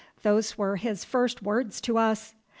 (Those were his first words to us!)